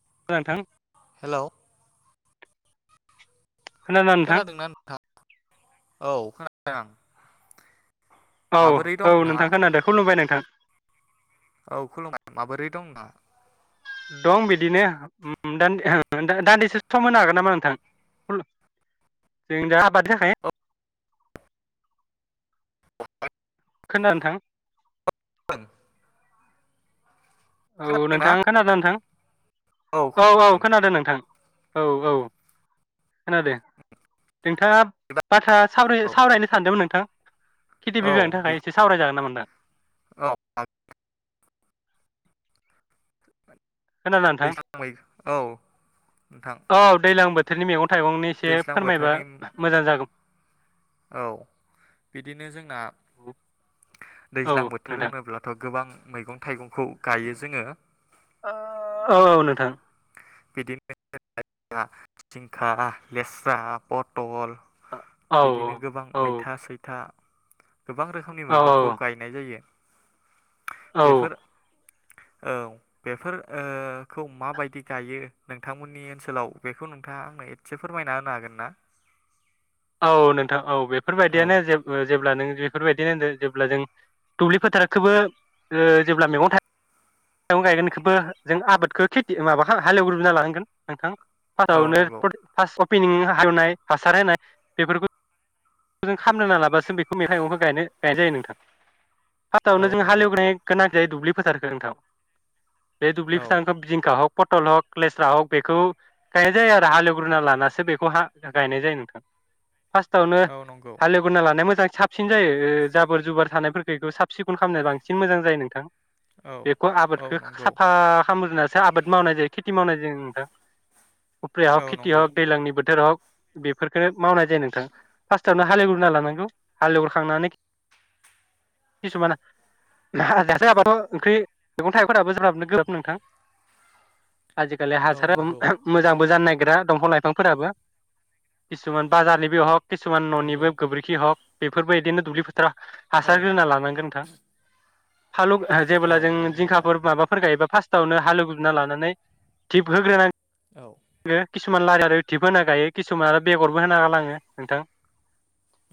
खोनादों नोंथां? हेलौ खोनादोंना नोंथा? औ, खोनादों आं। औ माबोरै दं औ नोंथाङा? नोंथां खोनादोंखौ खुलुमबाय नोंथां। औ खुलुमबाय माबोरै दं नोंथाङा? दं बिदिनो दान्दि-दान्दिसेसो सम होनो हागोन नामा नोंथां जों दा आबादनि थाखाय? औ खोनादोंना नोंथां? [inaudible] औ खोनादोंना? नोंथांङा खोनादों ना नोंथां? औ औ खोनादों नोंथां औ औ खोनादों। नोंथाङा बिदिब्ला बाथ्रा औ सावराय-सावरायनो सानदोंमोन नोंथां। खेथि औ बिबागनि थाखाय बि- एसे सावरायजागोन नामा नोंथां? औ [unintelligible] खोनादों नोंथां दैज्लां [unintelligible] औ नोंथां। थोरनि मैगं थाइगंनि एसे दैज्लां फोरमायबा बोथोरनि मोजां जागौमोन। औ बिदिनो जोंना औ दैज्लां बोथोर नोंथां होनोब्लाथ' गोबां मैगं थाइगंखौ गायो जोङो। ओ औ औ नोंथां। बिदिनो [unintelligible] जिंखा, लेस्रा, पतल औ बिदिनो गोबां मैथा सैथा गोबां रोखोमनि औ औ मैगंखौ गायनाय जायो। औ बेफोर औ बेफोर ओ खौ माबायदि गायो नोंथांमोननि ओनसोलाव बेखौ नोंथाङा आंनो एसे फोरमायना होनो हागोन ना? औ नोंथां औ बेफोरबायदियानो औ जेब-जेब्ला नों बेफोरबायदिनो होनो जेब्ला जों दुब्लि फोथारखौबो ओ जेब्ला मैगं थाइ गं गायगोनखौबो जों आबादखौ खेथि माबाखौ हालेवग्रोना लानांगोन नोंथां। [unintelligible] [unintelligible] औ नंगौ हालेवनाय हासार होनाय बेफोरखौ जों खालामग्रोना लाबासो बेखौ मैगं थाइगंखौ गायनो गायनाय जायो नोंथां। औ फार्स्टआवनो जों नंगौ हालेवनाया गोनां जायो दुब्लि फोथारखो नोंथां। बे दुब्लि औ फोथारखौ जिंखा हख पटल हख, लेस्रा हख बेखौ गायनाय जायो आरो हालेवग्रोना लानासो बेखौ हा गायनाय जायो नोंथां। फार्स्टआवनो औ नंगौ हालौ ग्रोना लानाया मोजां साबसिन जायो ओ जाबोर जुबार थानायफोरखौ बेखौ साब सिखोन खालामनाय बांसिन मोजां जायो नोंथां। औ बेखौ औ आबादखौ नंगौ साफा खामहोजाबनासो आबाद मावनाय जायो खेथि मावनाय जायो नोंथां। उफ्रिया औ हक खेथि नंगौ हक दैलांनि बोथोर हक बेफोरफोरखौनो मावनाय जायो नोंथां। फार्स्टआवनो हालेवगोरना लानांगौ हालेव खांनानै [unintelligible] किसुमान [unintelligible] जाबाथ' ओंख्रि मैगं थाइगं [unintelligible] गोब्राब नोंथां। आजिखालि औ हासार नंगौ होआबाबो मोजांबो जानो नागिरा गेदा दंफां लाइफांफोराबो किसुमान बाजारनि बे हक किसुमान नंगौ न'निबो गोबोरखि हक बेफोरबायदिनो दुब्लि फो थाराव हासार औ होनोना लानांगोन नोंथां। फालु औ जेबोब्ला जों नंगौ नोंथां जिंखाफोर माबाफोर गायोबा फार्स्ट सावनो हालेवग्रोना लानानै थिब होग्रोनांगौ औ आङो किसुमान लारि आरो धिपबो होना गायो किसुमान आरो बेगरबो होना गालाङो नोंथां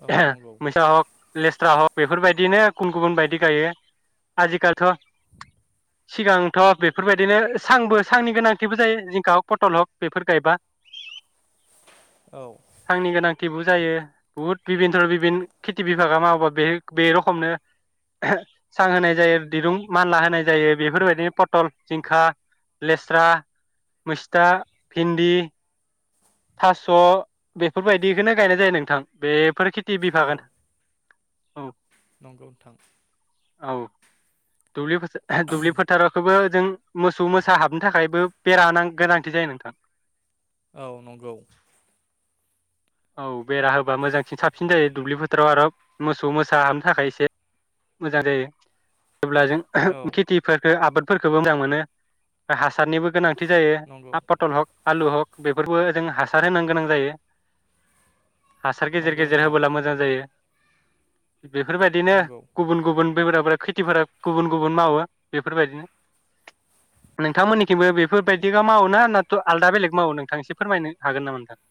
औ [unintelligible] नंगौ मिसा हक लेस्रा हक बेफोरबायदिनो गुबुन गुबुन बायदि गायो आजिखालिथ' सिगांथ' बेफोरबायदिनो सांबो सांनि गोनांथिबो जायो जिंखा हक पटल हक बेफोर गायबा औ थांनि गोनां थिबो जायो बुहुत बिबिनथर' बिभिन खिथि बिभागा मावोबा बे बे रखमनो सां होनाय जायो दिरुं मानला होनाय जायो बेफोरबायदिनो पटल जिंखा लेस्रा मैस्था भिन्दि थास' बेफोरबायदिखौनो गायनाय जायो नोंथां बेफोर टि बि औ फागोन औ नंगौ नोंथां औ दुब्लि दुब्लि फोथारावखौबो जों मोसौ मोसा हाबनो थाखायबो बेरा गोनांथि जायो नोंथां औ नंगौ औ बेरा होबा मोजांसिन साबसिन जायो दुब्लिफो [unintelligible] ' आरो मोसौ मोसा हाबनो थाखाय एसे मोजां दे जेब्ला जों औ खेथिफोरखौ आबाद फोरखौबो मोजां मोनो हासारनिबो गोनांथि थि जायो नंगौ हा पटल हक आलु हक बेफोरबो जों हासार होनो गोनां जायो हासार गेजेर नंगौ गेजेर नोंथां होबोला मोजां जायो बेफोरबायदिनो नंगौ गुबुन बैगाफोरा खेथिफोरा गुबुन गुबुन मावो बेफोरबायदिनो नोंथांमोननिखिबो बेफोरबायदिख माव ना नाथ आलदा बेलेग मावो नोंथां एसे फोरमायनो हागोन नामा नोंथां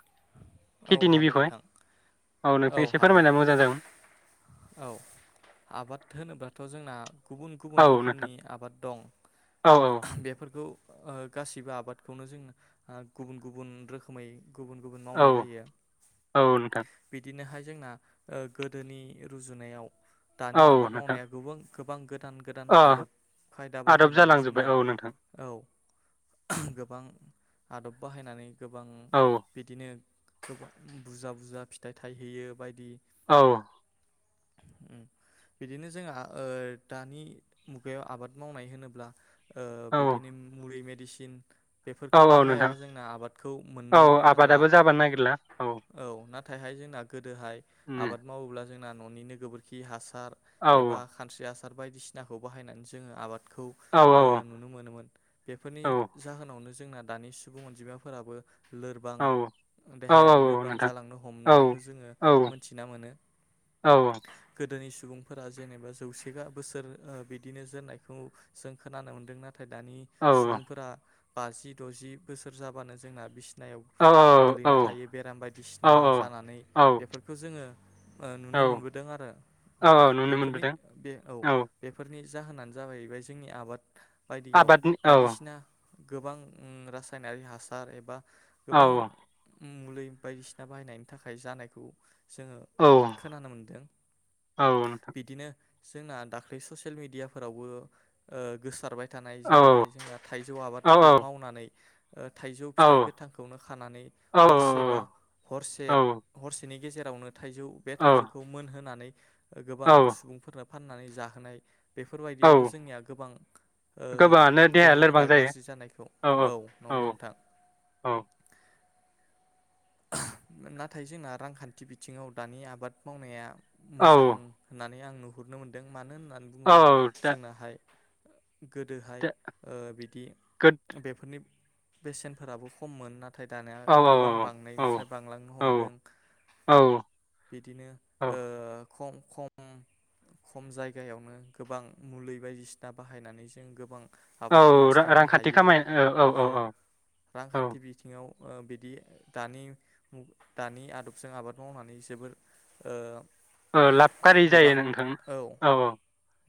औ खेथिनि हागोन बिफय नोंथां औ नोंथां एसे फोरमायनानै मोजां जागोन औ आबाद होनोब्लाथ जोंना गुबुन गुबुन औ नोंथां रोखोमनि आबाद दं औ बेफोर ओ गासिबो आबादखौनो जोङो गुबन गुबन रोखोमै गुबुन गु- औ औ नोंथां बिदिनोहाय जोंना गोदोनि रुजुनायाव दानि औ आबाद नोंथां मावनाया गोबां गोबां गोद- दान गोदान अ आदब खायदा आदब बाहायनानै जोंना जालांजोब्बाय औ नोंथां औ गोबां आदब बाहायनानै गोबां औ बिदिनो गोबां बुरजा बुरजा फिथाइ थायहैयो बायदि औ उम बिदिनो जोंहा ओ दानि मुगायाव आबाद मावनाय होनोब्ला ओ औ बिदिनो मुलि मेडि सिन औ बेफोरखौ औ नोंथां बाहायाबा जोंना आबादखौ औ मोननो थांला। आबादाबो जाबानो नागिरला औ नाथायहाय जोंना गोदोहाय उम आबाद मावोब्ला जोंना न'निनो गोबोरखि हा सार औ एबा खानस्रि हा सार बायदिसिनाखौ बाहायनानै जोङो आबाद खौ औ ओ औ नुनो मोनोमोन बेफोरनि औ जाहोनावनो जों जोंना दानि सुबुं अनजिमाफोराबो लोरबां। औ औ देहायारि औ लोरबां नोंथां जालांनो औ हमनायखौ जोङो औ मोनथिना मोनो गोदोनि सम सुबुंफोरा जेनेबा जौसे बा बोसोर बिदिनो जोरनायखौ जों खोनानो मोन्दों ना? नाथाय दानि औ औ सुबुंफोरा बाजि द'जि बोसोर जाबानो जोंना बिस नायाव औ औ गोग्लैना थायो बेराम औ बायदिसिना जानानै औ बेफोरखौ जोङो औ नुनो मोनबोदों आरो औ नुनो बेफोरनि मोनबोदों बे औ बेफोरनि जाहोनानो जाहैबाय जोंनि आबाद। बायदियाव आबादनि औ बायदिसिना गोबां रासायनारि हासार एबा औ गोबां मुलि बायदिसिना बाहायनायनि थाखाय जानायखौ जोङो औ खोनानो मोनदों औ नोंथां बिदिनो जोंना दाख्लै ससियेल मेडियाफोरावबो ओ गोसारबाय। थानाय औ जेरैहाय जोंहा थाइजौ औ आबादखौ मावनानै ओ थाइजौ औ फिथाइ गोथांखौनो खानानै हरसे बा हरसे औ हरसे बेनि गजेरावनो थाइजौ बे थाइजौखौ मोनहोनानै गोबां औ सुबुंफोरा फाननानै जाहोनाय औ बेफोरबायदियावबो जोंनिया गोबां ओ गोबाङानो देहाया लोरबां देहाफोरा जायो गाज्रि जानायखौ औ नंगौ नोंथां। औ नाथाय जोंना रांखान्थि बिथिङाव दानि आबाद मावनाया मोजां होनना नै आं नुहुरनो मोनदों मानो होन नानै औ बुङोब्ला दा जोंनाहाय गोदोहाय दा ओ बिदि गोद बेफोरनि बेसेनफोराबो खममोन ना थाय दानाया औ गोबां औ औ बांनायनिफ्राय बांलांनो औ हमदों। औ बिदिनो ओ खम खम खम जायगायावनो गोबां मुलि बायदिसिना बाहायनानै जों गोबां औ आबादखौ थिखांनो रांखान्थि हायो। खामाय औ औ रांखान्थि बिथिङाव ओ बिदि दानि दानि आदबजों आबाद मावनानै जोबोर ओ ओ लाबखारि जायो गोबां नोंथां औ औ।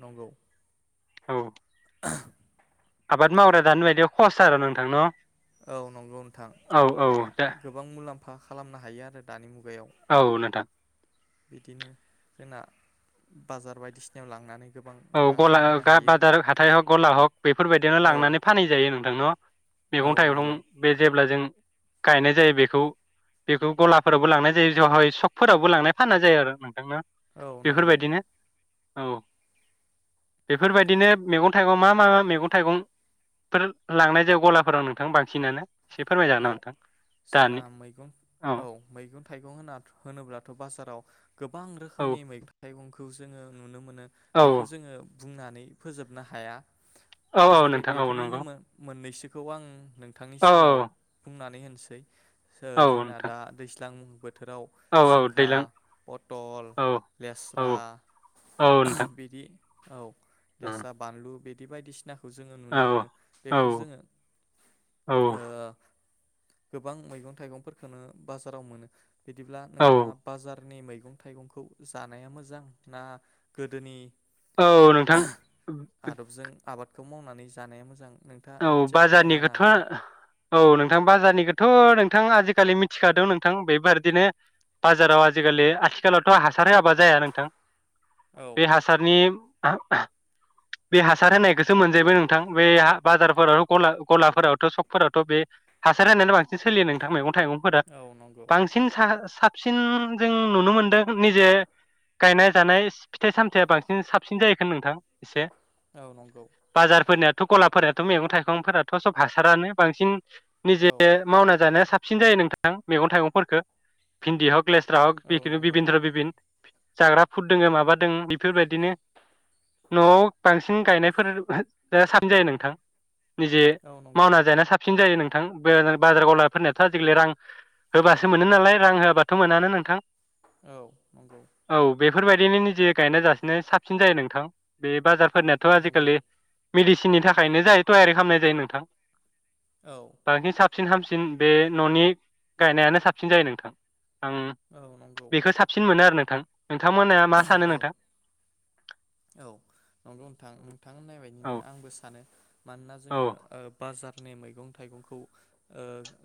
नंगौ। औ। आबाद मावग्रा दानो बायदि खस्थ' आरो नोंथां न'। औ नंगौ नोंथां औ औ दा गोबां मुलाम फा खालामनो हायो आरो दानि मु औ नोंथां। बिदिनो जोंना बाजार बायदिसिनायाव लांनानै गोबां औ रां गला, खामायनो गा हायो बाजार, हाथाइ हग गला हक बेफोरबायदियावनो औ लांनानै फानहैजायो नोंथां न औ मैगं थाइगं नंगौ बे जेब्ला जों गायनाय जायो बेखौ बेखौ गलाफोरावबो लांनाय जायो जहाय सकफोरावबो लांनाय फाननाय जायो आरो नोंथां न। औ नंगौ। औ। बेफोरबायदिनो मेगं थाइगं मा मा मेगं थाइगंफोर लांनाय जायो गलाफोराव नोंथां बांसिनानो? फोरमायजागोन औ नामा नोंथां जोंना दानि मैगं औ मैगं थाइगं होना होनोब्लाथ' बाजाराव गोबां औ रोखोमनि मैगं थाइगं खौ जोङो नुनो मो नो औ बेखौ जोङो बुंनानै फोजोबनो हाया। औ औ जेरै नोंथां औ बेफोरनिनो नंगौ मो-मोननैसो खौ आंङो नोंथांनि औ सिगाङाव औ बुंनानै होनोसै सो औ जोंना नोंथां दा दैस्लां बोथोराव औ औ जिंखा दैज्लां पतल औ औ लेस्रा औ नोंथां [unintelligible] बिदि औ औ लेस्रा बानलु बि बेबायदि [unintelligible] खौ जोङो नुनो मोनो औ बेखौ जोङो ओ गोबां मैगं थाइगंफोरखोनो बाजाराव मोनो। बिदिब्ला औ नोंथाङा बाजार नि मैगं थाइगंखौ जानाया मोजां ना गोदोनि औ नोंथां [inaudible] बेखौ मावनानै जानाया मोजां? नोंथाङा औ एसे फोरमायना बाजारनि होनो खोथ' हागोन आं ना? औ नों थां बाजारनिखोथ' नोंथां आजिखालि मिथिखादों नोंथां बेबारदिनो बाजाराव आजिखालि आथिखालावथ' हासार होवाबा जाया नोंथां। औ बे हासारनि [unintelligible] बे हासार होनायखोसो मोनजायोबो नोंथां बे बाजारफोरावथ' ग गलाफोरावथ' सकफोरावथ' बे हासार होनायानो बांसिन सोलियो नोंथां मैगं थाइगंफोरा औ नंगौ बांसिन सा साबसिन जों नुनो मोनदों निजे गायनाय जानाय फिथाइ सामथाइया बांसिन साबसिन जायो नोंथां। एसे औ नंगौ बाजारफोरनियाथ' गलाफोर मैगंफोराथ' सब हासारानो बांसिन औ निजे मावना जानाया साब साबसिन जायो नोंथां मैगं थाइगंफोरखो भिन्दि हक लेस्रा औ नंगौ हक [unintelligible] जाग्रा फुद दोङो माबा दों बिफोरबायदिनो न'आव बांसिन गायनायफोर साबसिन जायो नोंथां। निजे औ नंगौ मावना नोंथां जानाय साबसिन जायो नों नोंथां बाजार गावलाफोरनियाथ' आजिखालि रां होबासो मोनो नालाय रां होआबाथ' मोनानो नोंथां। औ नंगौ औ बेफोरबायदिनो निजे गायनाय जासिनाय साबसिन जायो नोंथां बे बाजार फोरनियाथ' नंगौ आजिखालि मिदि सिनि थाखायनो जायो। थयारि खालामनाय जायो नोंथां। औ बांसिन साबसिन हामसिन बे न'नि गायनायानो साबसिन जायो नोंथां आं औ नंगौ बेखौ साबसिन मोनो आरो नों थां नोंथांमोना मा सानो औ नोंथां औ नंगौ नोंथां नोंथां होननाय औ बायदिनो आंबो सानो मानोना औ जोङो बाजार मैगं थाइगंखौ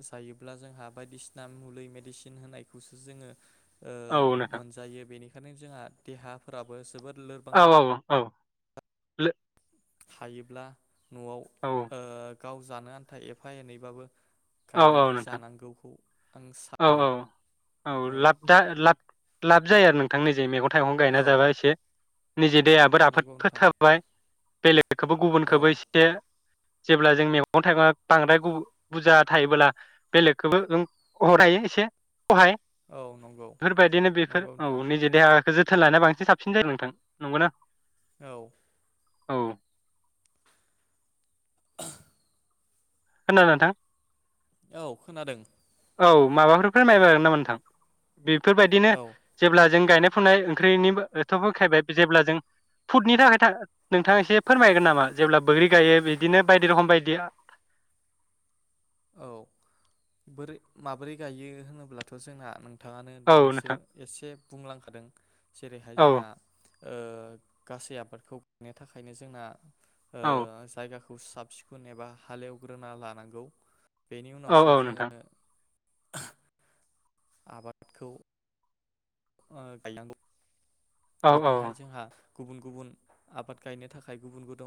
जायोब्ला जोंहा बायदिसिना मुलि मेडिसिन होनायखौसो जोङो ओ औ नोंथां मोनजायो बेनि ओंखायनो जोंहा देहाफोराबो जोबोर लोरबां जायो। औ औ हायोब्ला न'आव ओ औ गाव जानो आन्था एफा एनैबाबो औ औ गायनानै नोंथां जानांगौखौ आं औ सानो औ औ ला लाब जाया आरो नो आंनिे जे मेगन थाइगं गायना औ जाबा एसे निजे देहायाबो नंगौ राफोदफोर नोंथां थाबाय बेलेगखौबो औ गुबुनखौबो एसे जेब्ला जों मैगं थाइगं बांद्राय बुरजा थायोबोला बेलेगखौबो जों [unintelligible] एसे हाय औ नंगौ बेफोरबायदिनो बेफोर नंगौ नोंथां औ निजे देहा जोथोन लानो बांसिन साबसिन जायो नथां नंगौना। औ औ खोनादों नोंथां औ खोनादों औ माबाफोर फोरमाय जागोन नामा नोंथां बिब बेफोरबायदिनो औ जेब्ला जों गायनाय फुनाय ओंख्रिनिबोथ' बुखांबाय जेब्ला जों फुदनि थाखाय था नोंथांङा एसे फोरमायगोन नामा जेब्ला बोग्रि गायो बिदिनो बायदि रखम बायदि औ बोरै माबोरै गायो होनोब्लाथ' जोंना नों थाङानो औ दानिसो नोंथां एसे बुंलांखादों जेरैहाय औ जोंना ओ गासै आबादखौ गायनो थाखायनो जोंना ओ औ जायगाखो साब सिखुन एबा हाल एवग्रोना लानांगौ। बेनि उनावसो औ जोङो नोंथां। आबादखौ ओ गायनांगौ। औ औ बिदिहाय जोंहा गुबुन गुबुन आबाद गायनो थाखाय गुबुन गोद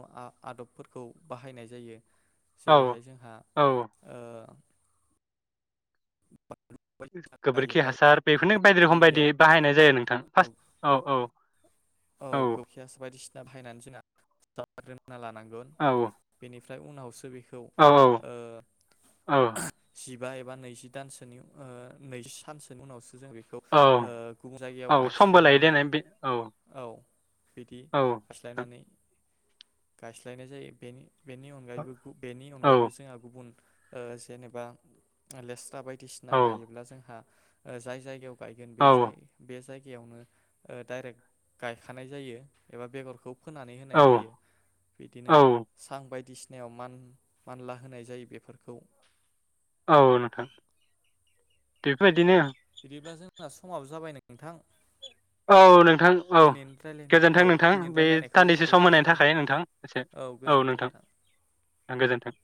आदबफोरखौ बाहायनाय जायो। औ जेरैहाय जोंहा औ ओ बानलु बायदिसिना गोबोरखि गायोब्ला जोंहा हासार बेफोरनो बायदि रोखोम बायदि गिबियावनो बाहायनाय जायो नोंथां फार्स्ट औ औ औ गोबोरखि हासार बायदिसिना बाहायनानै जोंना [unintelligible] लानांगोन बेनि ओमफ्राय उनावसो बेख खौ ओ औ औ जिब बा एबा नैजि दानसोनि ओ नैजि सानसोनि उनावसो जों बेखौ ओ औ गुबुन जायगायाव औ समबो लायो गायस्लायनानै देनाय बे औ औ बिदि औ नोंथां गायस्लायनानै गायस्लायनाय जायो बेनि बेनि औ अनगायैबो गु बेनि अनगायैबो औ जोंहा गुबुन ओ जेनेबा लेस्रा बाय दिसिना गायोब्ला जोंहा ओ जाय जायगायाव गायगोन बे जाय बे जाय गायावनो ओ डाइरेक्ट गायखानाय जायो एबा बेगरखौ फोनानै औ होनाय जायो। बिदिनो औ सां बायदिसि नायाव मान-मानला होनाय जायो बेफोरखौ। औ नोंथां बेफोरबायदिनो ओं। बिदिब्ला जोंना समाबो जाबाय नोंथां। औ नोंथां औ दिनैनि रायलायनाय औ गोजोन्थों नोंथां दिनैनि बे रायलायनायखौ दानन्दिसे सम होनायनि बेखिनियावनो दोन थाखाय नोंथां एसे औ नोंथां गोजोन्थों।